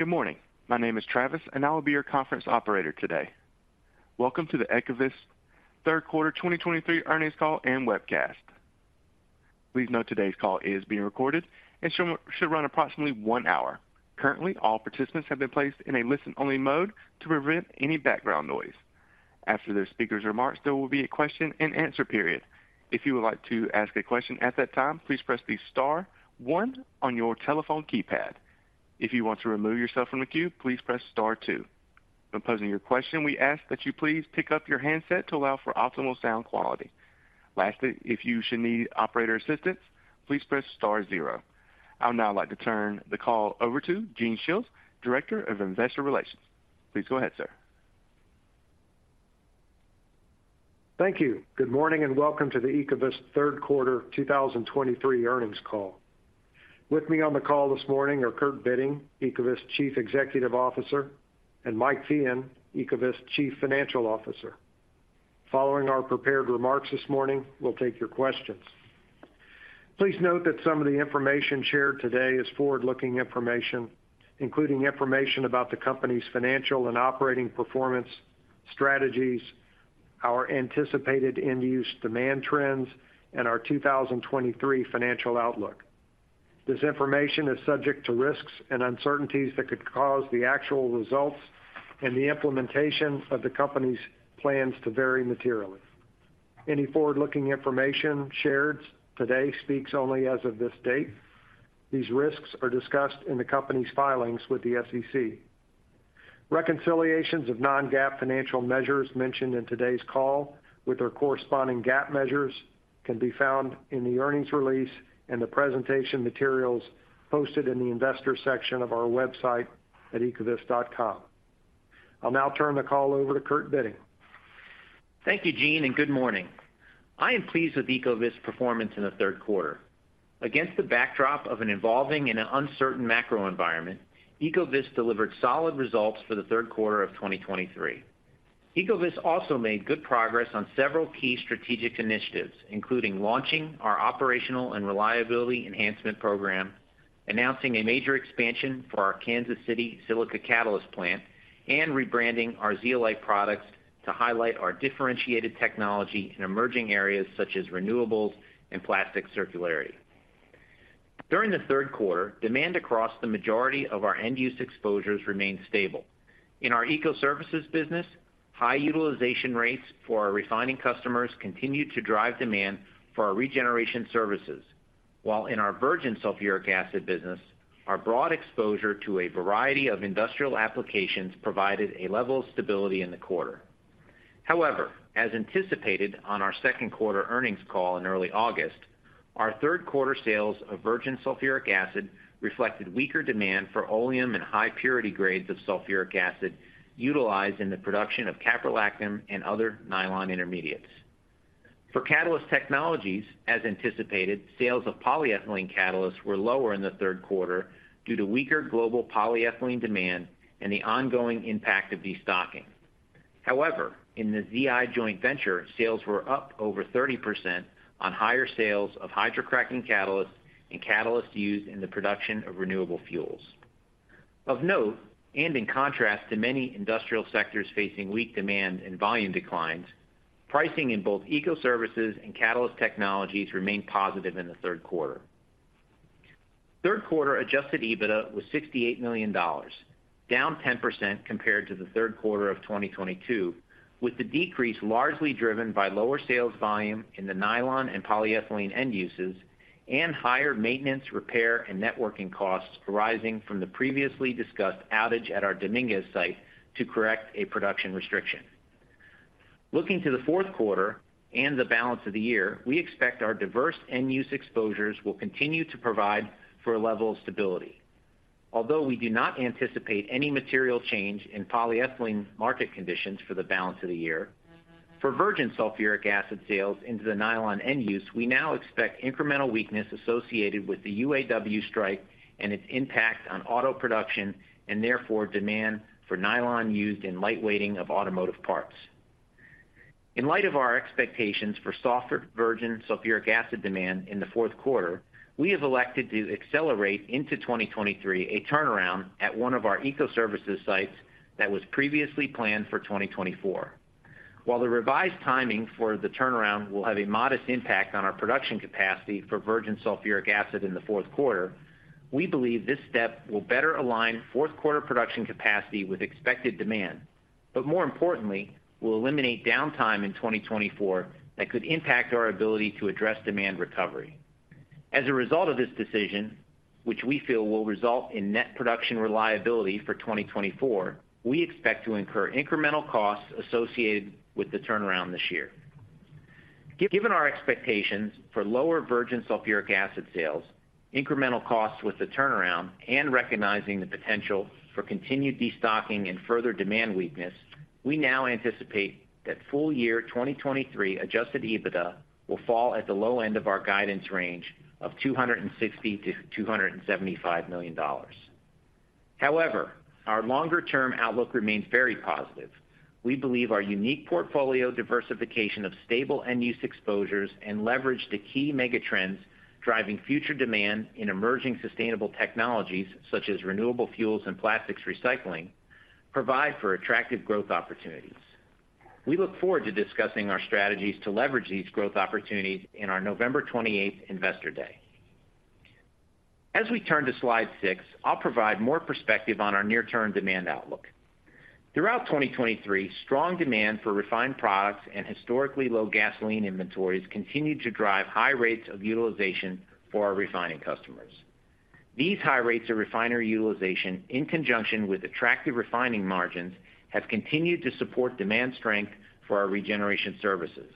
Good morning. My name is Travis, and I will be your conference operator today. Welcome to the Ecovyst Third Quarter 2023 Earnings Call and Webcast. Please note, today's call is being recorded and should run approximately one hour. Currently, all participants have been placed in a listen-only mode to prevent any background noise. After the speaker's remarks, there will be a question-and-answer period. If you would like to ask a question at that time, please press the star one on your telephone keypad. If you want to remove yourself from the queue, please press star two. When posing your question, we ask that you please pick up your handset to allow for optimal sound quality. Lastly, if you should need operator assistance, please press star zero. I'd now like to turn the call over to Gene Shiels, Director of Investor Relations. Please go ahead, sir. Thank you. Good morning, and welcome to the Ecovyst Third Quarter 2023 Earnings Call. With me on the call this morning are Kurt Bitting, Ecovyst's Chief Executive Officer, and Mike Feehan, Ecovyst's Chief Financial Officer. Following our prepared remarks this morning, we'll take your questions. Please note that some of the information shared today is forward-looking information, including information about the company's financial and operating performance, strategies, our anticipated end-use demand trends, and our 2023 financial outlook. This information is subject to risks and uncertainties that could cause the actual results and the implementation of the company's plans to vary materially. Any forward-looking information shared today speaks only as of this date. These risks are discussed in the company's filings with the SEC. Reconciliations of non-GAAP financial measures mentioned in today's call with their corresponding GAAP measures can be found in the earnings release and the presentation materials posted in the investor section of our website at ecovyst.com. I'll now turn the call over to Kurt Bitting. Thank you, Gene, and good morning. I am pleased with Ecovyst's performance in the third quarter. Against the backdrop of an evolving and an uncertain macro environment, Ecovyst delivered solid results for the third quarter of 2023. Ecovyst also made good progress on several key strategic initiatives, including launching our operational and reliability enhancement program, announcing a major expansion for our Kansas City silica catalyst plant, and rebranding our zeolite products to highlight our differentiated technology in emerging areas such as renewables and plastic circularity. During the third quarter, demand across the majority of our end-use exposures remained stable. In our Ecoservices business, high utilization rates for our refining customers continued to drive demand for our regeneration services, while in our virgin sulfuric acid business, our broad exposure to a variety of industrial applications provided a level of stability in the quarter. However, as anticipated on our second quarter earnings call in early August, our third quarter sales of virgin sulfuric acid reflected weaker demand for oleum and high purity grades of sulfuric acid utilized in the production of caprolactam and other nylon intermediates. For Catalyst Technologies, as anticipated, sales of polyethylene catalysts were lower in the third quarter due to weaker global polyethylene demand and the ongoing impact of destocking. However, in the ZI joint venture, sales were up over 30% on higher sales of hydrocracking catalysts and catalysts used in the production of renewable fuels. Of note, and in contrast to many industrial sectors facing weak demand and volume declines, pricing in both Ecoservices and Catalyst Technologies remained positive in the third quarter. Third quarter adjusted EBITDA was $68 million, down 10% compared to the third quarter of 2022, with the decrease largely driven by lower sales volume in the nylon and polyethylene end uses, and higher maintenance, repair, and networking costs arising from the previously discussed outage at our Dominguez site to correct a production restriction. Looking to the fourth quarter and the balance of the year, we expect our diverse end-use exposures will continue to provide for a level of stability. Although we do not anticipate any material change in polyethylene market conditions for the balance of the year, for virgin sulfuric acid sales into the nylon end use, we now expect incremental weakness associated with the UAW strike and its impact on auto production and therefore, demand for nylon used in lightweighting of automotive parts. In light of our expectations for softer virgin sulfuric acid demand in the fourth quarter, we have elected to accelerate into 2023 a turnaround at one of our Ecoservices sites that was previously planned for 2024. While the revised timing for the turnaround will have a modest impact on our production capacity for virgin sulfuric acid in the fourth quarter, we believe this step will better align fourth quarter production capacity with expected demand, but more importantly, will eliminate downtime in 2024 that could impact our ability to address demand recovery. As a result of this decision, which we feel will result in net production reliability for 2024, we expect to incur incremental costs associated with the turnaround this year. Given our expectations for lower virgin sulfuric acid sales, incremental costs with the turnaround, and recognizing the potential for continued destocking and further demand weakness, we now anticipate that full year 2023 adjusted EBITDA will fall at the low end of our guidance range of $260 million-$275 million. However, our longer-term outlook remains very positive. We believe our unique portfolio diversification of stable end use exposures and leverage the key megatrends driving future demand in emerging sustainable technologies, such as renewable fuels and plastics recycling, provide for attractive growth opportunities. We look forward to discussing our strategies to leverage these growth opportunities in our November 28th Investor Day. As we turn to slide 6, I'll provide more perspective on our near-term demand outlook. Throughout 2023, strong demand for refined products and historically low gasoline inventories continued to drive high rates of utilization for our refining customers. These high rates of refinery utilization, in conjunction with attractive refining margins, have continued to support demand strength for our regeneration services.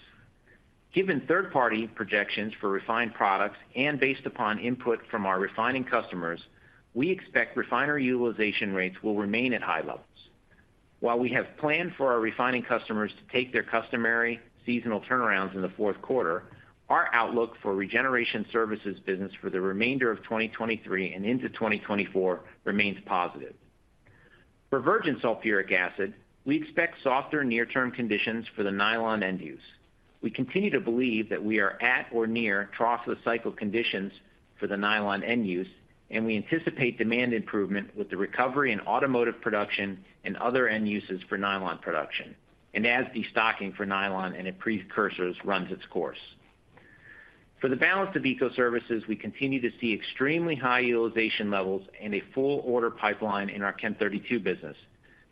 Given third-party projections for refined products and based upon input from our refining customers, we expect refinery utilization rates will remain at high levels. While we have planned for our refining customers to take their customary seasonal turnarounds in the fourth quarter, our outlook for Regeneration Services business for the remainder of 2023 and into 2024 remains positive. For virgin sulfuric acid, we expect softer near-term conditions for the nylon end use. We continue to believe that we are at or near trough-cycle conditions for the nylon end use, and we anticipate demand improvement with the recovery in automotive production and other end uses for nylon production, and as destocking for nylon and its precursors runs its course. For the balance of Ecoservices, we continue to see extremely high utilization levels and a full order pipeline in our Chem32 business,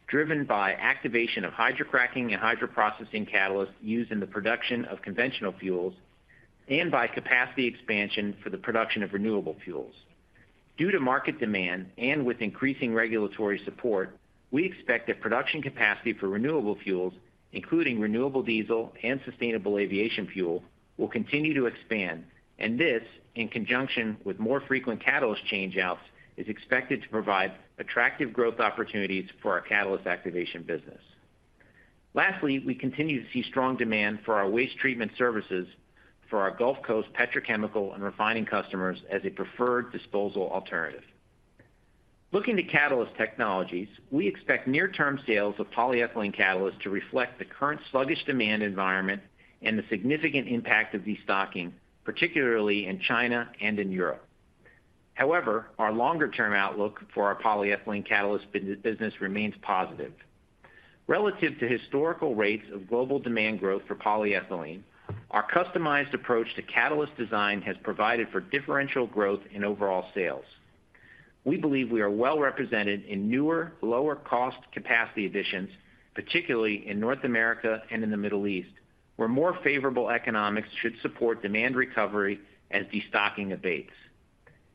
driven by activation of hydrocracking and hydroprocessing catalysts used in the production of conventional fuels and by capacity expansion for the production of renewable fuels. Due to market demand and with increasing regulatory support, we expect that production capacity for renewable fuels, including renewable diesel and sustainable aviation fuel, will continue to expand, and this, in conjunction with more frequent catalyst change-outs, is expected to provide attractive growth opportunities for our catalyst activation business. Lastly, we continue to see strong demand for our waste treatment services for our Gulf Coast petrochemical and refining customers as a preferred disposal alternative. Looking to Catalyst Technologies, we expect near-term sales of polyethylene catalysts to reflect the current sluggish demand environment and the significant impact of destocking, particularly in China and in Europe. However, our longer-term outlook for our polyethylene catalyst business remains positive. Relative to historical rates of global demand growth for polyethylene, our customized approach to catalyst design has provided for differential growth in overall sales. We believe we are well represented in newer, lower cost capacity additions, particularly in North America and in the Middle East, where more favorable economics should support demand recovery as destocking abates.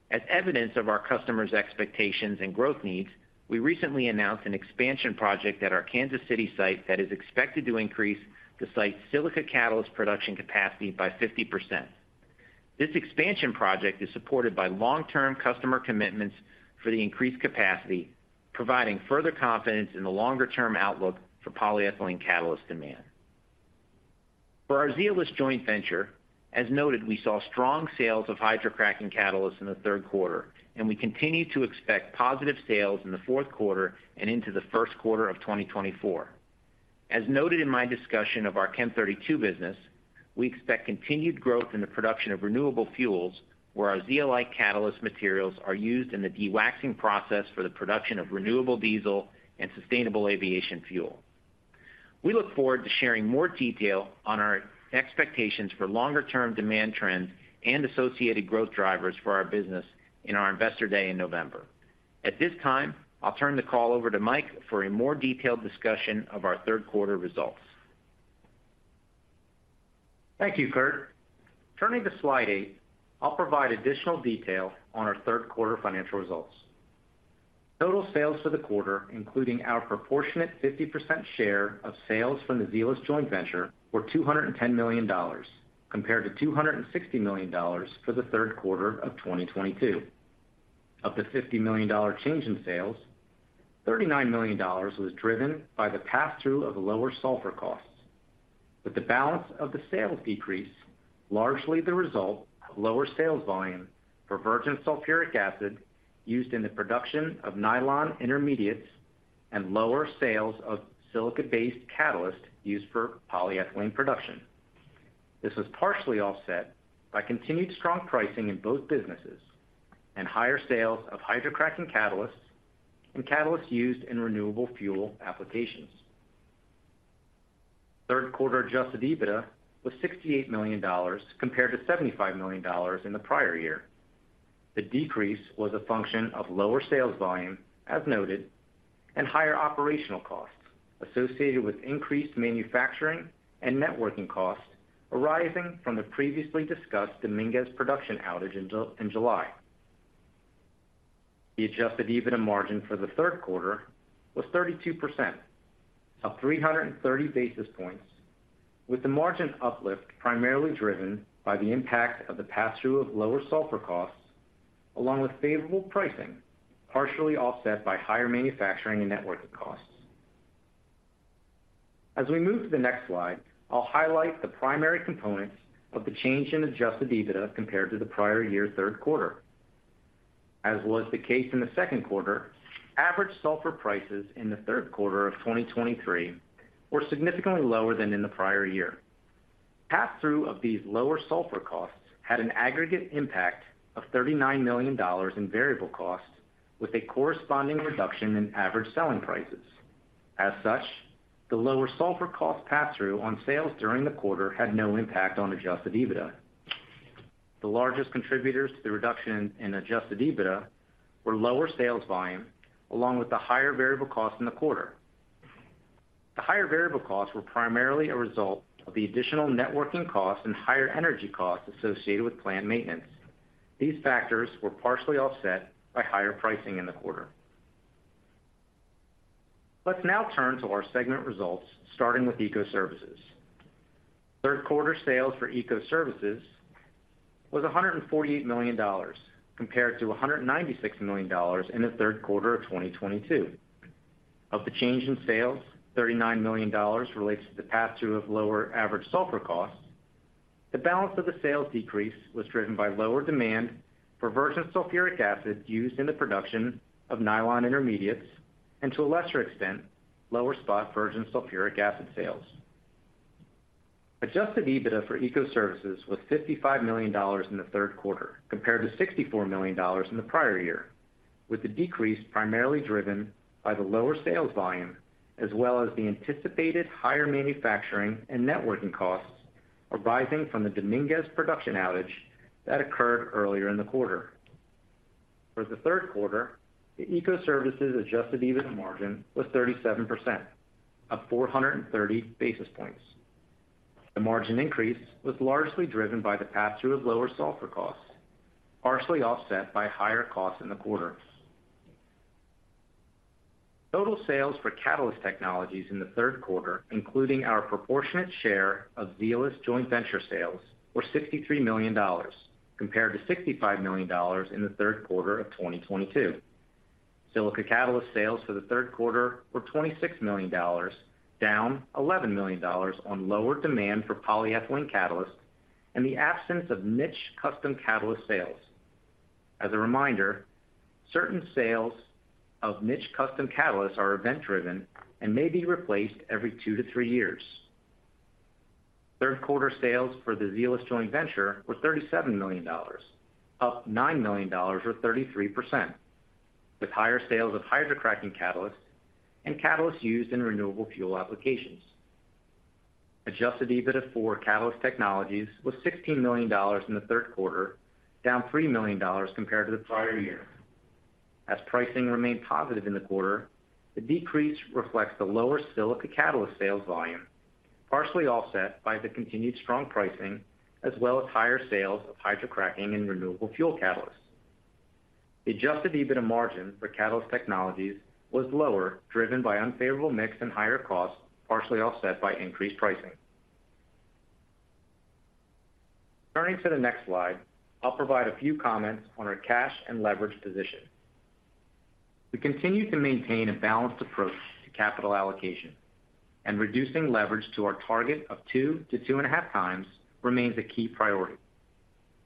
As evidence of our customers' expectations and growth needs, we recently announced an expansion project at our Kansas City site that is expected to increase the site's silica catalyst production capacity by 50%. This expansion project is supported by long-term customer commitments for the increased capacity, providing further confidence in the longer-term outlook for polyethylene catalyst demand. For our Zeolyst Joint Venture, as noted, we saw strong sales of hydrocracking catalysts in the third quarter, and we continue to expect positive sales in the fourth quarter and into the first quarter of 2024. As noted in my discussion of our Chem32 business, we expect continued growth in the production of renewable fuels, where our zeolite catalyst materials are used in the dewaxing process for the production of renewable diesel and sustainable aviation fuel. We look forward to sharing more detail on our expectations for longer-term demand trends and associated growth drivers for our business in our Investor Day in November. At this time, I'll turn the call over to Mike for a more detailed discussion of our third quarter results. Thank you, Kurt. Turning to slide 8, I'll provide additional detail on our third quarter financial results. Total sales for the quarter, including our proportionate 50% share of sales from the Zeolyst Joint Venture, were $210 million, compared to $260 million for the third quarter of 2022. Of the $50 million change in sales, $39 million was driven by the pass-through of lower sulfur costs, with the balance of the sales decrease largely the result of lower sales volume for virgin sulfuric acid used in the production of nylon intermediates and lower sales of silica-based catalysts used for polyethylene production. This was partially offset by continued strong pricing in both businesses and higher sales of hydrocracking catalysts and catalysts used in renewable fuel applications. Third quarter adjusted EBITDA was $68 million, compared to $75 million in the prior year. The decrease was a function of lower sales volume, as noted, and higher operational costs associated with increased manufacturing and networking costs arising from the previously discussed Dominguez production outage in July. The adjusted EBITDA margin for the third quarter was 32%, up 330 basis points, with the margin uplift primarily driven by the impact of the pass-through of lower sulfur costs, along with favorable pricing, partially offset by higher manufacturing and networking costs. As we move to the next slide, I'll highlight the primary components of the change in adjusted EBITDA compared to the prior year's third quarter. As was the case in the second quarter, average sulfur prices in the third quarter of 2023 were significantly lower than in the prior year. Pass-through of these lower sulfur costs had an aggregate impact of $39 million in variable costs, with a corresponding reduction in average selling prices. As such, the lower sulfur cost pass-through on sales during the quarter had no impact on adjusted EBITDA. The largest contributors to the reduction in adjusted EBITDA were lower sales volume, along with the higher variable costs in the quarter. The higher variable costs were primarily a result of the additional networking costs and higher energy costs associated with plant maintenance. These factors were partially offset by higher pricing in the quarter. Let's now turn to our segment results, starting with Ecoservices. Third quarter sales for Ecoservices was $148 million, compared to $196 million in the third quarter of 2022. Of the change in sales, $39 million relates to the pass-through of lower average sulfur costs. The balance of the sales decrease was driven by lower demand for virgin sulfuric acid used in the production of nylon intermediates, and to a lesser extent, lower spot virgin sulfuric acid sales. Adjusted EBITDA for Ecoservices was $55 million in the third quarter, compared to $64 million in the prior year, with the decrease primarily driven by the lower sales volume, as well as the anticipated higher manufacturing and networking costs arising from the Dominguez production outage that occurred earlier in the quarter. For the third quarter, the Ecoservices adjusted EBITDA margin was 37%, up 430 basis points. The margin increase was largely driven by the pass-through of lower sulfur costs, partially offset by higher costs in the quarter. Total sales for Catalyst Technologies in the third quarter, including our proportionate share of Zeolyst Joint Venture sales, were $63 million, compared to $65 million in the third quarter of 2022. Silica catalyst sales for the third quarter were $26 million, down $11 million on lower demand for polyethylene catalysts and the absence of niche custom catalyst sales. As a reminder, certain sales of niche custom catalysts are event-driven and may be replaced every two to three years. Third quarter sales for the Zeolyst Joint Venture were $37 million, up $9 million or 33%, with higher sales of hydrocracking catalysts and catalysts used in renewable fuel applications. Adjusted EBITDA for Catalyst Technologies was $16 million in the third quarter, down $3 million compared to the prior year. As pricing remained positive in the quarter, the decrease reflects the lower silica catalyst sales volume, partially offset by the continued strong pricing, as well as higher sales of hydrocracking and renewable fuel catalysts. Adjusted EBITDA margin for Catalyst Technologies was lower, driven by unfavorable mix and higher costs, partially offset by increased pricing. Turning to the next slide, I'll provide a few comments on our cash and leverage position. We continue to maintain a balanced approach to capital allocation, and reducing leverage to our target of 2-2.5x remains a key priority.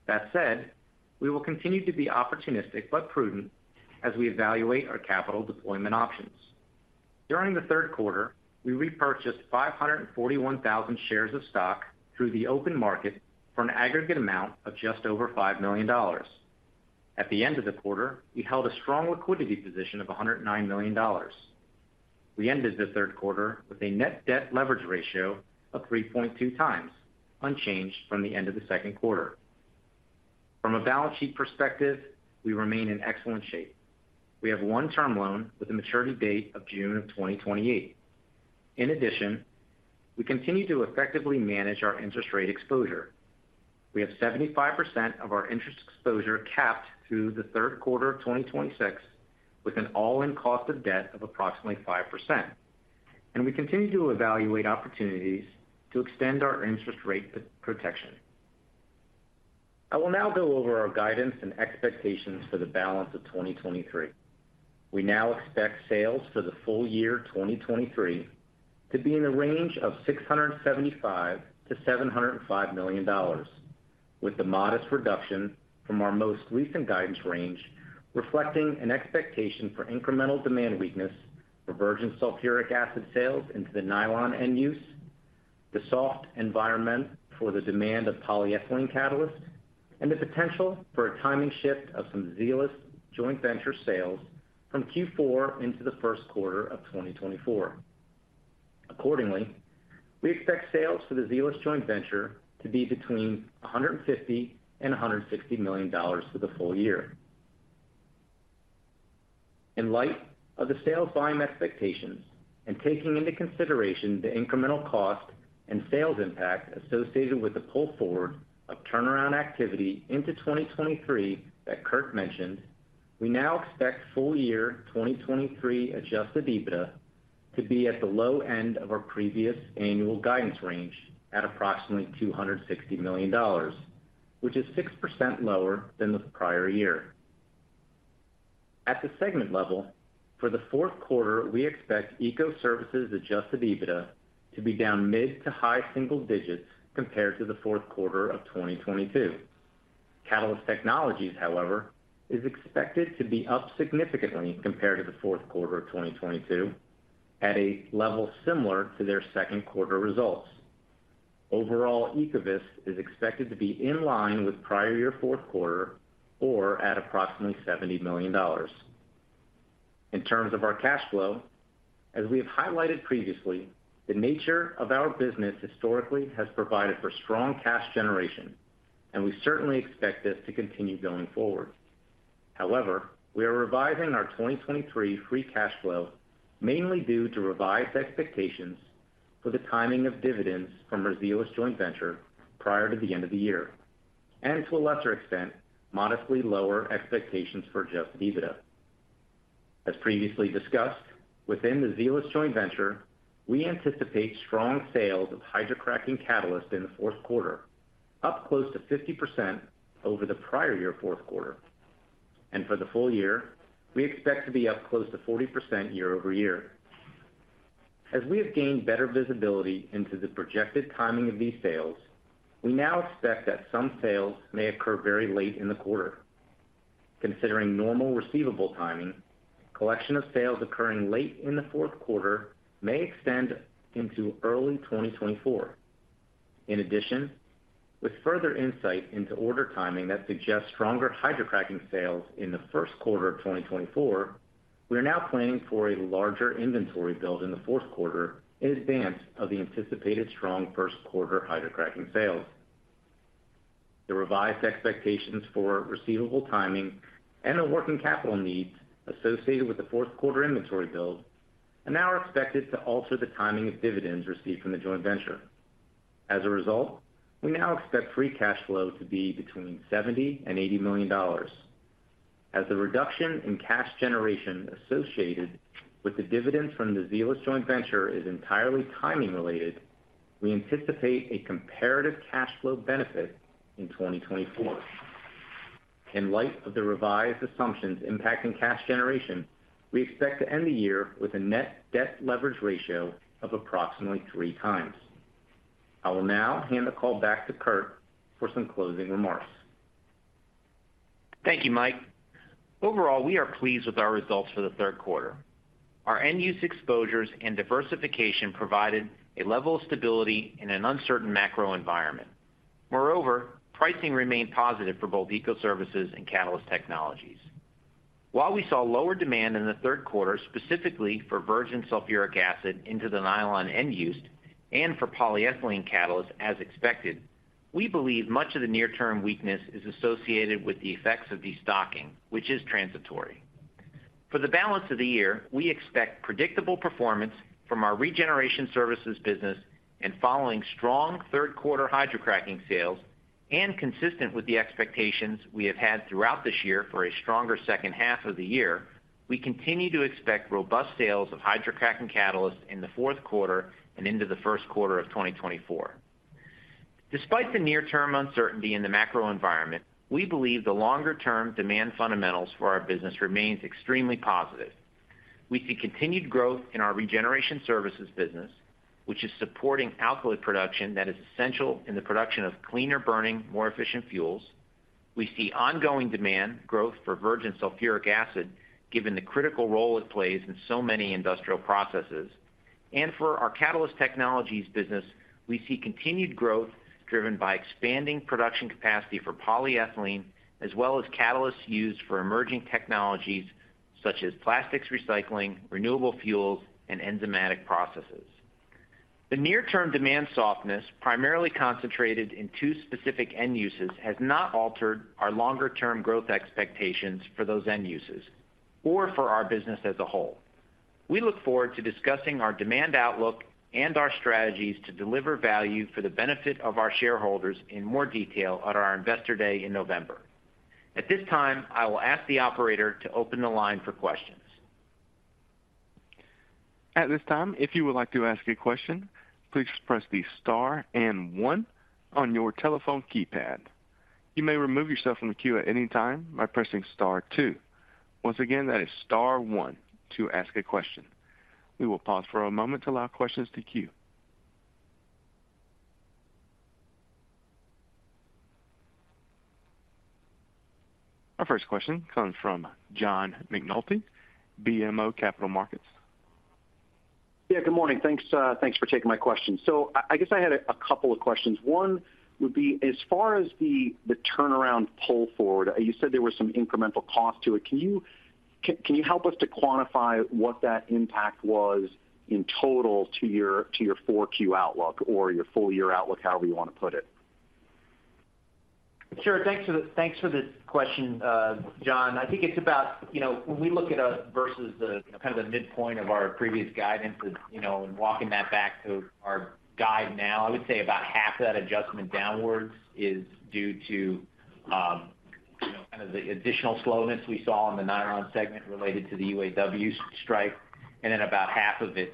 That said, we will continue to be opportunistic but prudent as we evaluate our capital deployment options. During the third quarter, we repurchased 541,000 shares of stock through the open market for an aggregate amount of just over $5 million. At the end of the quarter, we held a strong liquidity position of $109 million. We ended the third quarter with a net debt leverage ratio of 3.2x, unchanged from the end of the second quarter. From a balance sheet perspective, we remain in excellent shape. We have one term loan with a maturity date of June 2028. In addition, we continue to effectively manage our interest rate exposure. We have 75% of our interest exposure capped through the third quarter of 2026, with an all-in cost of debt of approximately 5%, and we continue to evaluate opportunities to extend our interest rate protection. I will now go over our guidance and expectations for the balance of 2023. We now expect sales for the full year 2023 to be in the range of $675 million-$705 million, with the modest reduction from our most recent guidance range, reflecting an expectation for incremental demand weakness for virgin sulfuric acid sales into the nylon end use, the soft environment for the demand of polyethylene catalysts, and the potential for a timing shift of some Zeolyst Joint Venture sales from Q4 into the first quarter of 2024. Accordingly, we expect sales for the Zeolyst Joint Venture to be between $150 million and $160 million for the full year. In light of the sales volume expectations, and taking into consideration the incremental cost and sales impact associated with the pull forward of turnaround activity into 2023 that Kurt mentioned, we now expect full year 2023 adjusted EBITDA to be at the low end of our previous annual guidance range at approximately $260 million, which is 6% lower than the prior year. At the segment level, for the fourth quarter, we expect Ecoservices adjusted EBITDA to be down mid- to high-single digits compared to the fourth quarter of 2022. Catalyst Technologies, however, is expected to be up significantly compared to the fourth quarter of 2022, at a level similar to their second quarter results. Overall, Ecovyst is expected to be in line with prior year fourth quarter or at approximately $70 million. In terms of our cash flow, as we have highlighted previously, the nature of our business historically has provided for strong cash generation, and we certainly expect this to continue going forward. However, we are revising our 2023 free cash flow, mainly due to revised expectations for the timing of dividends from our Zeolyst Joint Venture prior to the end of the year, and to a lesser extent, modestly lower expectations for adjusted EBITDA. As previously discussed, within the Zeolyst Joint Venture, we anticipate strong sales of hydrocracking catalyst in the fourth quarter, up close to 50% over the prior year fourth quarter. For the full year, we expect to be up close to 40% year-over-year. As we have gained better visibility into the projected timing of these sales, we now expect that some sales may occur very late in the quarter. Considering normal receivable timing, collection of sales occurring late in the fourth quarter may extend into early 2024. In addition, with further insight into order timing that suggests stronger hydrocracking sales in the first quarter of 2024, we are now planning for a larger inventory build in the fourth quarter in advance of the anticipated strong first quarter hydrocracking sales. The revised expectations for receivable timing and the working capital needs associated with the fourth quarter inventory build are now expected to alter the timing of dividends received from the joint venture. As a result, we now expect free cash flow to be between $70 million and $80 million. As the reduction in cash generation associated with the dividends from the Zeolyst Joint Venture is entirely timing related, we anticipate a comparative cash flow benefit in 2024. In light of the revised assumptions impacting cash generation, we expect to end the year with a net debt leverage ratio of approximately 3x. I will now hand the call back to Kurt for some closing remarks. Thank you, Mike. Overall, we are pleased with our results for the third quarter. Our end-use exposures and diversification provided a level of stability in an uncertain macro environment. Moreover, pricing remained positive for both Ecoservices and Catalyst Technologies. While we saw lower demand in the third quarter, specifically for virgin sulfuric acid into the nylon end use and for polyethylene catalyst as expected, we believe much of the near-term weakness is associated with the effects of destocking, which is transitory. For the balance of the year, we expect predictable performance from our Regeneration Services business and following strong third quarter hydrocracking sales, and consistent with the expectations we have had throughout this year for a stronger second half of the year, we continue to expect robust sales of hydrocracking catalysts in the fourth quarter and into the first quarter of 2024. Despite the near-term uncertainty in the macro environment, we believe the longer-term demand fundamentals for our business remains extremely positive. We see continued growth in our Regeneration Services business, which is supporting alkylate production that is essential in the production of cleaner burning, more efficient fuels. We see ongoing demand growth for virgin sulfuric acid, given the critical role it plays in so many industrial processes. For our Catalyst Technologies business, we see continued growth driven by expanding production capacity for polyethylene, as well as catalysts used for emerging technologies such as plastics recycling, renewable fuels, and enzymatic processes. The near-term demand softness, primarily concentrated in two specific end uses, has not altered our longer-term growth expectations for those end uses or for our business as a whole. We look forward to discussing our demand outlook and our strategies to deliver value for the benefit of our shareholders in more detail at our Investor Day in November. At this time, I will ask the operator to open the line for questions. At this time, if you would like to ask a question, please press the star and one on your telephone keypad. You may remove yourself from the queue at any time by pressing star two. Once again, that is star one to ask a question. We will pause for a moment to allow questions to queue. Our first question comes from John McNulty, BMO Capital Markets. Yeah, good morning. Thanks, thanks for taking my question. So I guess I had a couple of questions. One would be, as far as the turnaround pull forward, you said there were some incremental costs to it. Can you help us to quantify what that impact was in total to your 4Q outlook or your full year outlook, however you want to put it? Sure. Thanks for the question, John. I think it's about, you know, when we look at us versus the kind of the midpoint of our previous guidance, you know, and walking that back to our guide now, I would say about half that adjustment downwards is due to, you know, kind of the additional slowness we saw in the nylon segment related to the UAW strike, and then about half of it,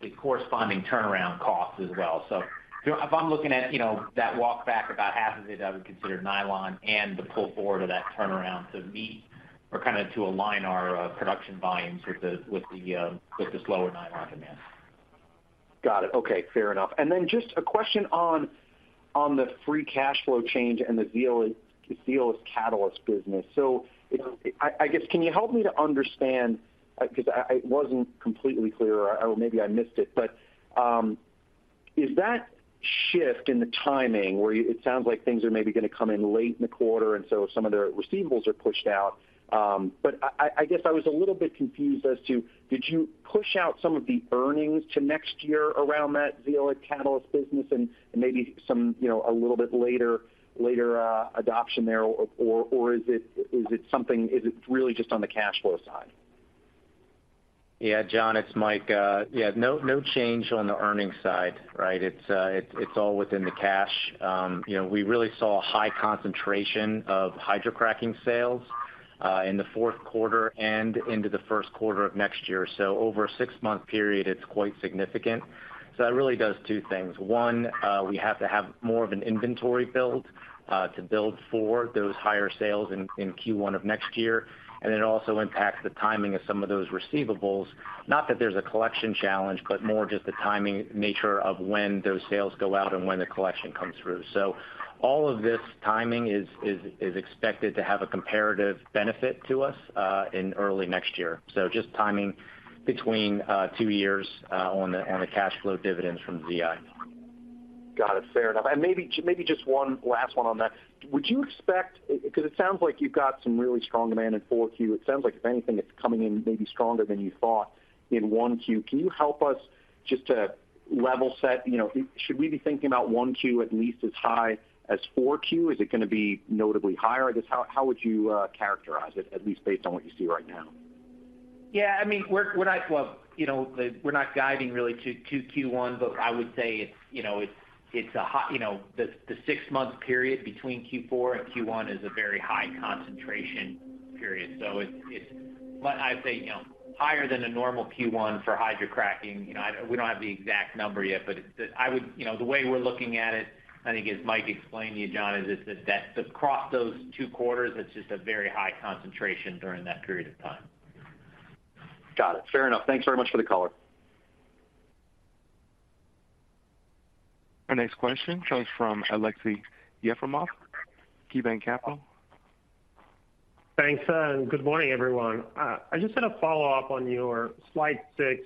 the corresponding turnaround costs as well. So if I'm looking at, you know, that walk back, about half of it, I would consider nylon and the pull forward of that turnaround to meet or kind of to align our production volumes with the slower nylon demand. Got it. Okay, fair enough. And then just a question on the free cash flow change and the Zeolite Catalyst business. So I guess, can you help me to understand, because I wasn't completely clear, or maybe I missed it, but is that shift in the timing where you, it sounds like things are maybe going to come in late in the quarter, and so some of the receivables are pushed out. But I guess I was a little bit confused as to, did you push out some of the earnings to next year around that Zeolite Catalyst business and maybe some, you know, a little bit later adoption there? Or is it something, is it really just on the cash flow side? Yeah, John, it's Mike. Yeah, no, no change on the earnings side, right? It's, it's all within the cash. You know, we really saw a high concentration of hydrocracking sales in the fourth quarter and into the first quarter of next year. So over a six-month period, it's quite significant. So that really does two things. One, we have to have more of an inventory build to build for those higher sales in Q1 of next year, and it also impacts the timing of some of those receivables. Not that there's a collection challenge, but more just the timing nature of when those sales go out and when the collection comes through. So all of this timing is expected to have a comparative benefit to us in early next year. So just timing between two years on the cash flow dividends from ZI. Got it. Fair enough. And maybe, maybe just one last one on that. Would you expect... Because it sounds like you've got some really strong demand in 4Q. It sounds like, if anything, it's coming in maybe stronger than you thought in 1Q. Can you help us just to level set? You know, should we be thinking about 1Q at least as high as 4Q? Is it going to be notably higher? I guess, how, how would you characterize it, at least based on what you see right now? Yeah, I mean, we're not guiding really to Q1, but I would say it's, you know, it's a high, you know, the six-month period between Q4 and Q1 is a very high concentration period. So it's, but I'd say, you know, higher than a normal Q1 for hydrocracking. You know, we don't have the exact number yet, but you know, the way we're looking at it, I think, as Mike explained to you, John, is that across those two quarters, it's just a very high concentration during that period of time. Got it. Fair enough. Thanks very much for the color. Our next question comes from Aleksey Yefremov, KeyBanc Capital Markets. Thanks, and good morning, everyone. I just had a follow-up on your slide 6.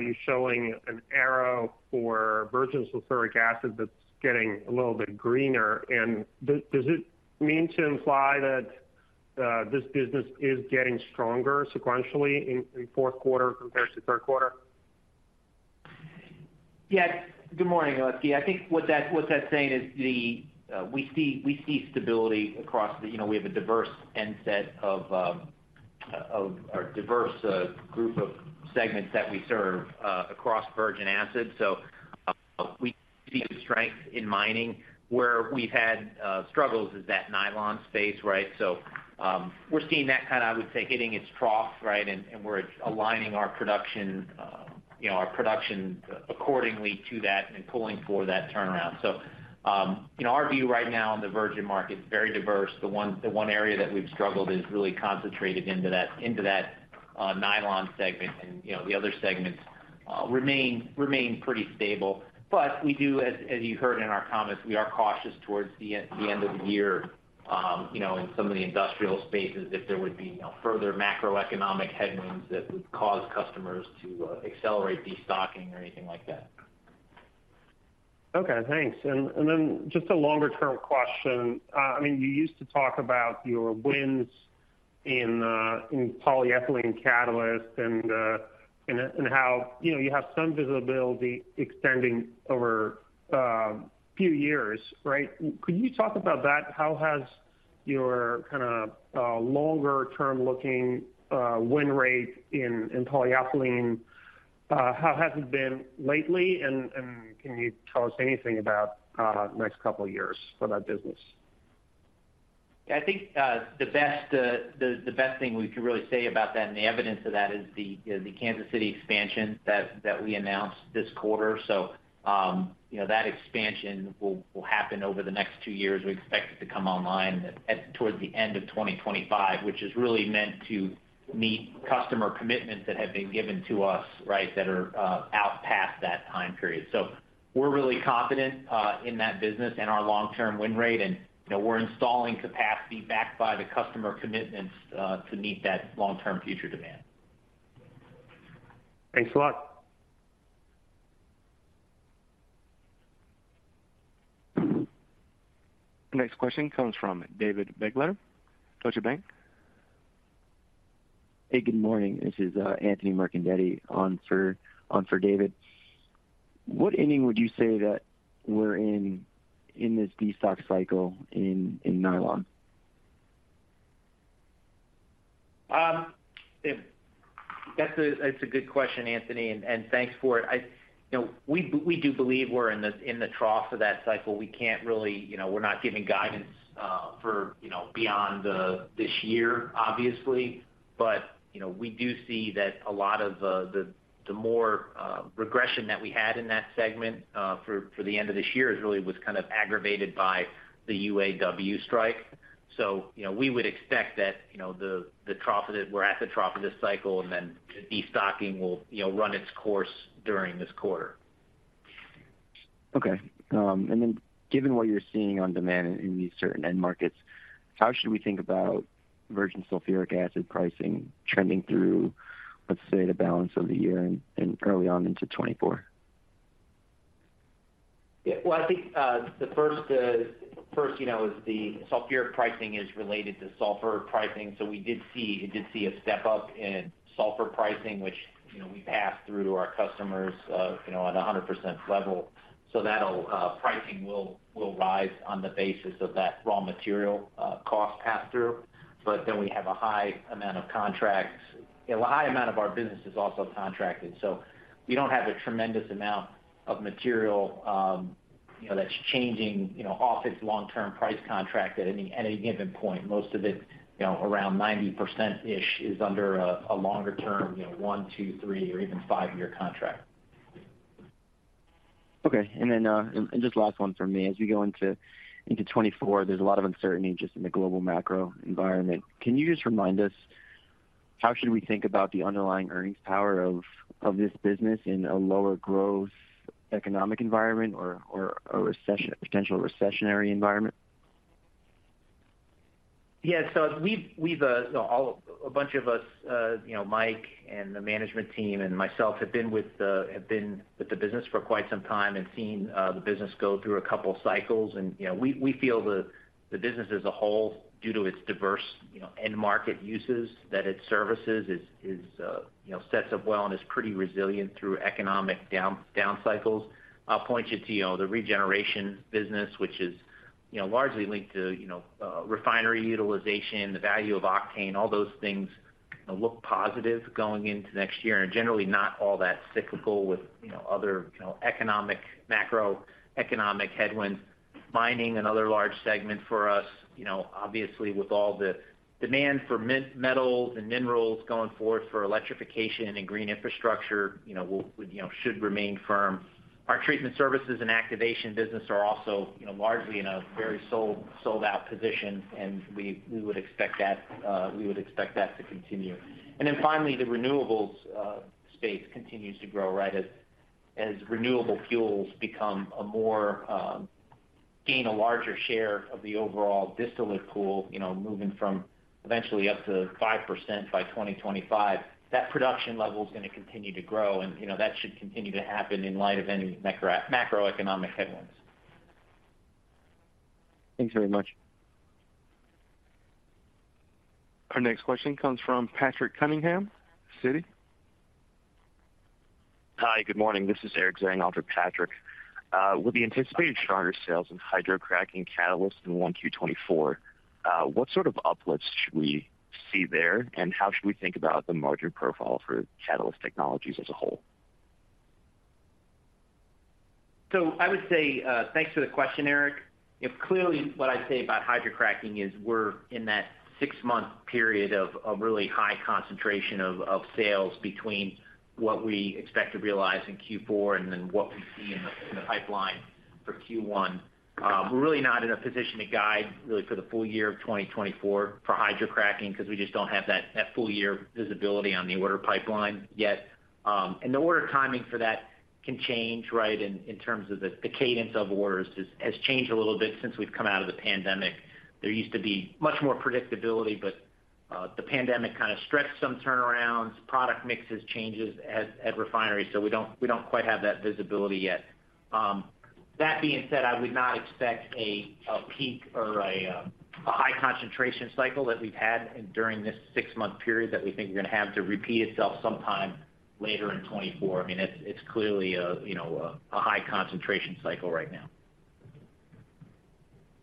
You're showing an arrow for virgin sulfuric acid that's getting a little bit greener, and does it mean to imply that this business is getting stronger sequentially in fourth quarter compared to third quarter? Yes. Good morning, Aleksey. I think what that, what that's saying is the, we see, we see stability across the—you know, we have a diverse end set of, or diverse, group of segments that we serve, across virgin acid. So, we see the strength in mining. Where we've had struggles is that nylon space, right? So, we're seeing that kind of, I would say, hitting its trough, right? And, and we're aligning our production, you know, our production accordingly to that and pulling for that turnaround. So, in our view right now on the virgin market, it's very diverse. The one, the one area that we've struggled is really concentrated into that, into that, nylon segment. And, you know, the other segments, remain, remain pretty stable. But we do, as you heard in our comments, we are cautious towards the end of the year, you know, in some of the industrial spaces, if there would be, you know, further macroeconomic headwinds that would cause customers to accelerate destocking or anything like that. Okay, thanks. And then just a longer-term question. I mean, you used to talk about your wins in polyethylene catalyst and how, you know, you have some visibility extending over a few years, right? Could you talk about that? How has your kind of longer-term looking win rate in polyethylene how has it been lately? And can you tell us anything about next couple of years for that business? I think, the best thing we could really say about that and the evidence of that is the, you know, the Kansas City expansion that we announced this quarter. So, you know, that expansion will happen over the next two years. We expect it to come online towards the end of 2025, which is really meant to meet customer commitments that have been given to us, right, that are out past that time period. So we're really confident in that business and our long-term win rate, and, you know, we're installing capacity backed by the customer commitments to meet that long-term future demand. Thanks a lot. Next question comes from David Begleiter, Deutsche Bank. Hey, good morning. This is Anthony Mercandetti on for David. What inning would you say that we're in in this destock cycle in nylon? That's a, that's a good question, Anthony, and, and thanks for it. You know, we, we do believe we're in the, in the trough of that cycle. We can't really, you know, we're not giving guidance for, you know, beyond this year, obviously. But, you know, we do see that a lot of the, the more regression that we had in that segment for, for the end of this year is really was kind of aggravated by the UAW strike. So, you know, we would expect that, you know, the, the trough of it. We're at the trough of this cycle, and then the destocking will, you know, run its course during this quarter. Okay. Then given what you're seeing on demand in these certain end markets, how should we think about virgin sulfuric acid pricing trending through, let's say, the balance of the year and early on into 2024? Yeah. Well, I think the first, you know, is the sulfuric pricing is related to sulfur pricing. So we did see a step up in sulfur pricing, which, you know, we passed through to our customers, you know, at a 100% level. So that'll pricing will rise on the basis of that raw material cost pass-through. But then we have a high amount of contracts. A high amount of our business is also contracted, so we don't have a tremendous amount of material, you know, that's changing, you know, off its long-term price contract at any given point. Most of it, you know, around 90%-ish, is under a longer term, you know, one, two, three, or even five-year contract. Okay. And then, just last one from me. As we go into 2024, there's a lot of uncertainty just in the global macro environment. Can you just remind us, how should we think about the underlying earnings power of this business in a lower growth economic environment or a recession-potential recessionary environment? Yeah. So we've all—a bunch of us, you know, Mike and the management team and myself, have been with the business for quite some time and seen the business go through a couple of cycles. And, you know, we feel the business as a whole, due to its diverse, you know, end market uses, that its services is, you know, sets up well and is pretty resilient through economic down cycles. I'll point you to, you know, the Regeneration business, which is, you know, largely linked to, you know, refinery utilization, the value of octane, all those things, you know, look positive going into next year, and generally not all that cyclical with, you know, other, you know, economic, macroeconomic headwinds. Mining, another large segment for us, you know, obviously, with all the demand for metals and minerals going forward for electrification and green infrastructure, you know, will, you know, should remain firm. Our treatment services and activation business are also, you know, largely in a very sold-out position, and we would expect that to continue. And then finally, the renewables space continues to grow, right? As renewable fuels become a more gain a larger share of the overall distillate pool, you know, moving from eventually up to 5% by 2025, that production level is going to continue to grow, and, you know, that should continue to happen in light of any macroeconomic headwinds. Thanks very much. Our next question comes from Patrick Cunningham, Citi. Hi, good morning. This is Eric Zhang in for Patrick. With the anticipated stronger sales in hydrocracking catalyst in 1Q 2024, what sort of uplifts should we see there? And how should we think about the margin profile for Catalyst Technologies as a whole? So I would say, thanks for the question, Eric. Yeah, clearly, what I'd say about hydrocracking is we're in that six-month period of really high concentration of sales between what we expect to realize in Q4 and then what we see in the pipeline for Q1. We're really not in a position to guide really for the full year of 2024 for hydrocracking, because we just don't have that full year visibility on the order pipeline yet. And the order timing for that can change, right? In terms of the cadence of orders has changed a little bit since we've come out of the pandemic. There used to be much more predictability, but the pandemic kind of stretched some turnarounds, product mixes, changes at refineries, so we don't quite have that visibility yet. That being said, I would not expect a peak or a high concentration cycle that we've had during this six-month period that we think we're going to have to repeat itself sometime later in 2024. I mean, it's clearly, you know, a high concentration cycle right now.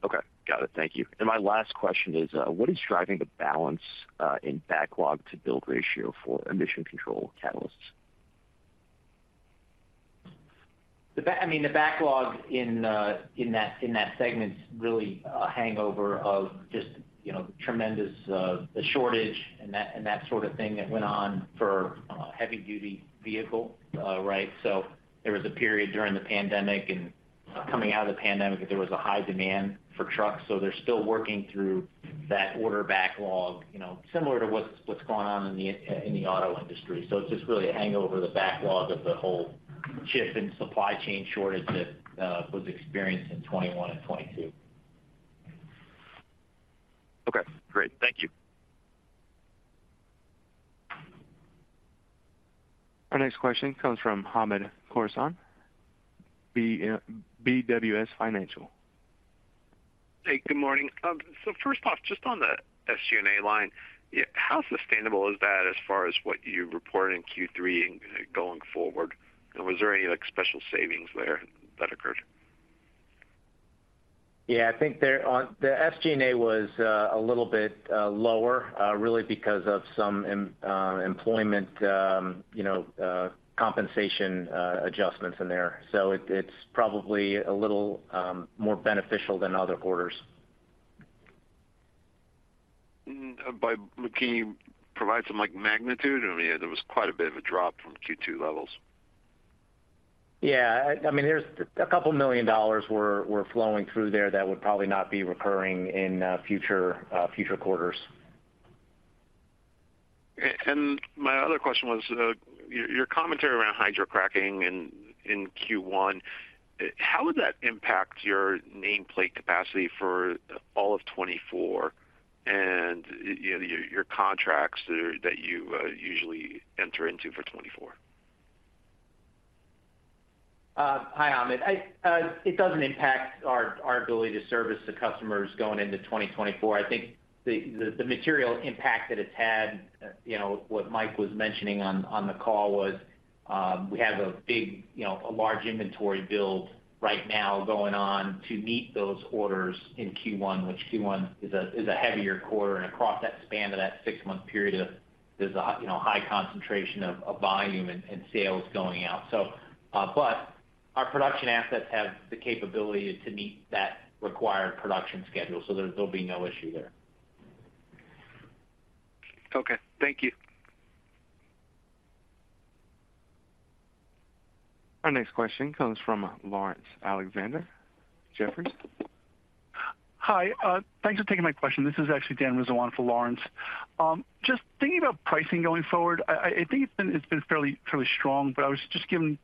Okay. Got it. Thank you. My last question is, what is driving the balance in backlog to build ratio for emission control catalysts? I mean, the backlog in, in that, in that segment is really a hangover of just, you know, tremendous, a shortage and that, and that sort of thing that went on for, heavy-duty vehicle, right? So there was a period during the pandemic and coming out of the pandemic, that there was a high demand for trucks, so they're still working through that order backlog, you know, similar to what's, what's going on in the, in the auto industry. So it's just really a hang over, the backlog of the whole chip and supply chain shortage that, was experienced in 2021 and 2022. Okay, great. Thank you. Our next question comes from Hamed Khorsand, BWS Financial. Hey, good morning. So first off, just on the SG&A line, how sustainable is that as far as what you reported in Q3 and, going forward? And was there any, like, special savings there that occurred? Yeah, I think there on the SG&A was a little bit lower, really because of some employment, you know, compensation adjustments in there. So it, it's probably a little more beneficial than other quarters. But can you provide some, like, magnitude? I mean, there was quite a bit of a drop from Q2 levels. Yeah, I mean, there's $2 million were flowing through there that would probably not be recurring in future quarters. My other question was your commentary around hydrocracking in Q1. How would that impact your nameplate capacity for all of 2024, and you know, your contracts that you usually enter into for 2024? Hi, Hamed. I, it doesn't impact our ability to service the customers going into 2024. I think the material impact that it's had, you know, what Mike was mentioning on the call was, we have a big, you know, a large inventory build right now going on to meet those orders in Q1, which Q1 is a heavier quarter. And across that span of that six-month period, there's a, you know, high concentration of volume and sales going out. So, but our production assets have the capability to meet that required production schedule, so there'll be no issue there. Okay, thank you. Our next question comes from Laurence Alexander, Jefferies. Hi, thanks for taking my question. This is actually Dan Rizzo for Laurence. Just thinking about pricing going forward, I think it's been, it's been fairly, fairly strong, but just given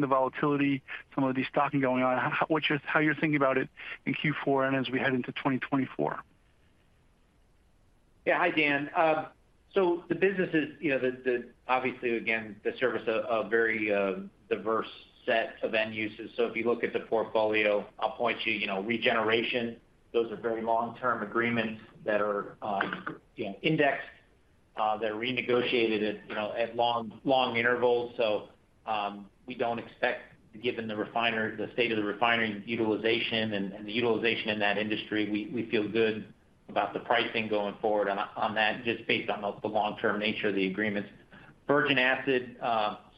the volatility, some of the destocking going on, how you're thinking about it in Q4 and as we head into 2024? Yeah. Hi, Dan. So the business is, you know, obviously, again, the service of a very diverse set of end uses. So if you look at the portfolio, I'll point you, you know, regeneration. Those are very long-term agreements that are, you know, indexed. They're renegotiated at, you know, at long, long intervals. So we don't expect, given the state of the refinery utilization and the utilization in that industry, we feel good about the pricing going forward on that, just based on the long-term nature of the agreements. Virgin acid,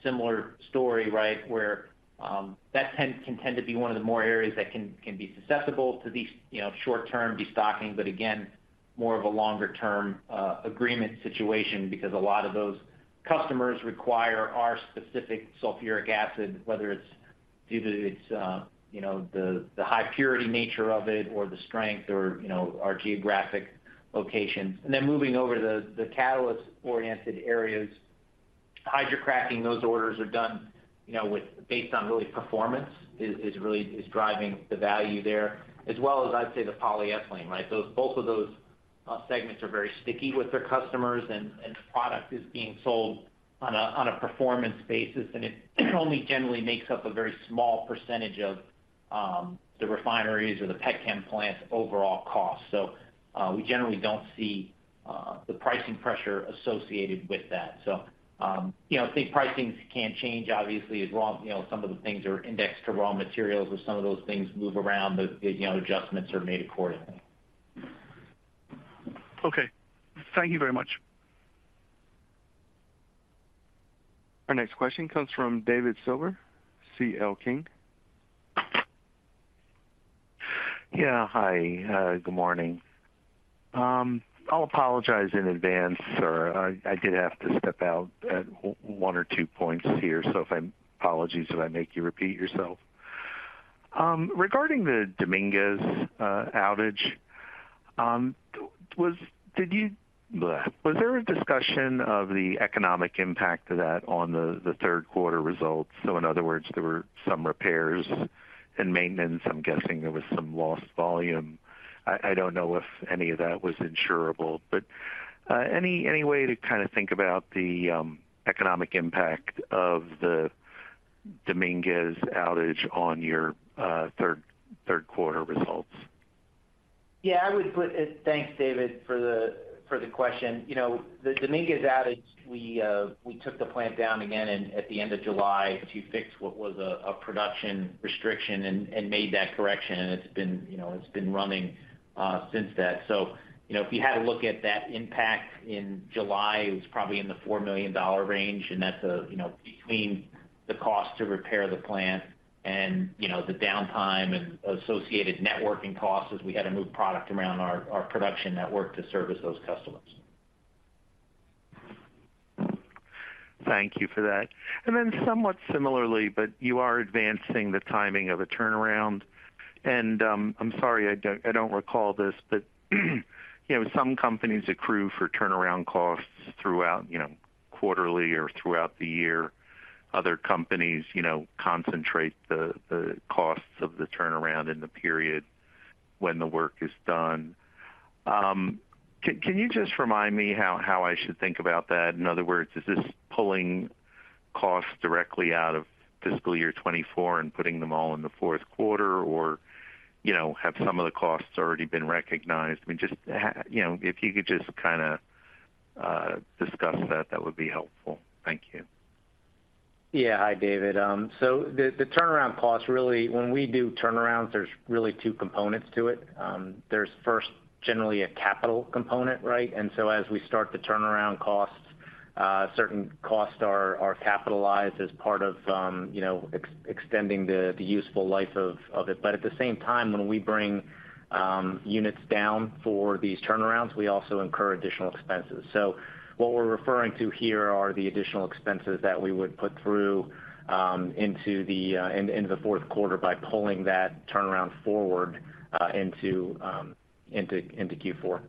similar story, right? Where that can tend to be one of the more areas that can be susceptible to these, you know, short-term destocking, but again, more of a longer-term agreement situation because a lot of those customers require our specific sulfuric acid, whether it's due to its, you know, the high purity nature of it or the strength or, you know, our geographic locations. And then moving over to the catalyst-oriented areas, hydrocracking, those orders are done, you know, with based on really performance is driving the value there, as well as I'd say, the polyethylene, right? So both of those segments are very sticky with their customers, and the product is being sold on a performance basis, and it only generally makes up a very small percentage of the refineries or the pet chem plants' overall cost. So we generally don't see the pricing pressure associated with that. So you know, I think pricing can change obviously, as raw—you know, some of the things are indexed to raw materials, or some of those things move around, but you know, adjustments are made accordingly. Okay. Thank you very much. Our next question comes from David Silver, CL King. Yeah. Hi, good morning. I'll apologize in advance, sir. I did have to step out at one or two points here, so apologies if I make you repeat yourself. Regarding the Dominguez outage, was there a discussion of the economic impact of that on the third quarter results? So in other words, there were some repairs and maintenance. I'm guessing there was some lost volume. I don't know if any of that was insurable, but any way to kind of think about the economic impact of the Dominguez outage on your third quarter results? Yeah, I would put it. Thanks, David, for the question. You know, the Dominguez outage, we took the plant down again at the end of July to fix what was a production restriction and made that correction, and it's been, you know, running since that. So, you know, if you had to look at that impact in July, it was probably in the $4 million range, and that's, you know, between the cost to repair the plant and the downtime and associated networking costs as we had to move product around our production network to service those customers. Thank you for that. And then somewhat similarly, but you are advancing the timing of a turnaround. And, I'm sorry, I don't recall this, but, you know, some companies accrue for turnaround costs throughout, you know, quarterly or throughout the year. Other companies, you know, concentrate the costs of the turnaround in the period when the work is done. Can you just remind me how I should think about that? In other words, is this pulling costs directly out of fiscal year 2024 and putting them all in the fourth quarter? Or, you know, have some of the costs already been recognized? I mean, just, you know, if you could just kind of discuss that, that would be helpful. Thank you. Yeah. Hi, David. So the turnaround costs, really, when we do turnarounds, there's really two components to it. There's first generally a capital component, right? And so as we start the turnaround costs, certain costs are capitalized as part of, you know, extending the useful life of it. But at the same time, when we bring units down for these turnarounds, we also incur additional expenses. So what we're referring to here are the additional expenses that we would put through into the fourth quarter by pulling that turnaround forward into Q4.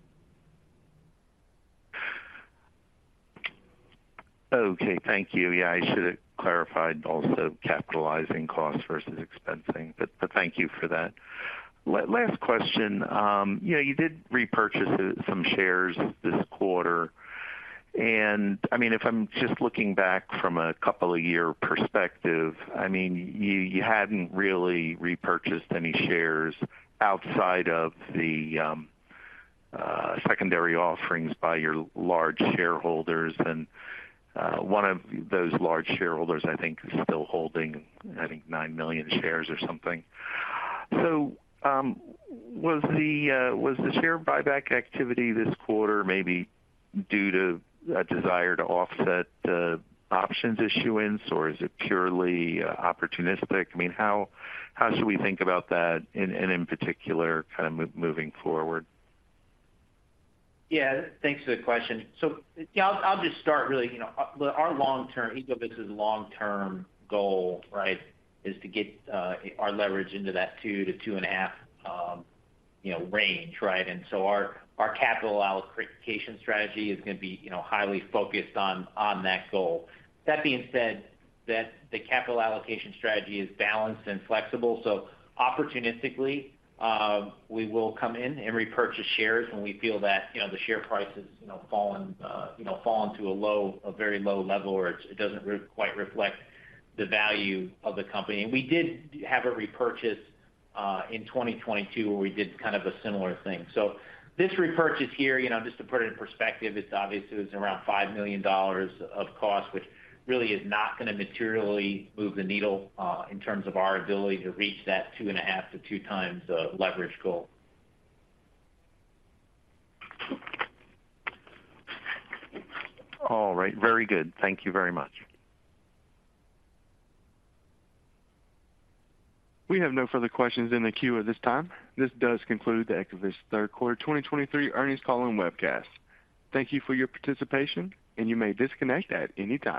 Okay. Thank you. Yeah, I should have clarified also capitalizing costs versus expensing, but thank you for that. Last question. You know, you did repurchase some shares this quarter, and I mean, if I'm just looking back from a couple of year perspective, I mean, you hadn't really repurchased any shares outside of the secondary offerings by your large shareholders. And one of those large shareholders, I think, is still holding, I think, 9 million shares or something. So, was the share buyback activity this quarter maybe due to a desire to offset the options issuance, or is it purely opportunistic? I mean, how should we think about that, and in particular, kind of moving forward? Yeah, thanks for the question. So, yeah, I'll just start really, you know, our long-term—Ecovyst's long-term goal, right, is to get our leverage into that 2-2.5, you know, range, right? And so our capital allocation strategy is going to be, you know, highly focused on that goal. That being said, the capital allocation strategy is balanced and flexible, so opportunistically, we will come in and repurchase shares when we feel that, you know, the share price has, you know, fallen to a low, a very low level, or it doesn't quite reflect the value of the company. And we did have a repurchase in 2022, where we did kind of a similar thing. This repurchase here, you know, just to put it in perspective, it's obviously, it's around $5 million of cost, which really is not going to materially move the needle in terms of our ability to reach that 2.5-2x leverage goal. All right. Very good. Thank you very much. We have no further questions in the queue at this time. This does conclude the Ecovyst Third Quarter 2023 Earnings Call and Webcast. Thank you for your participation, and you may disconnect at any time.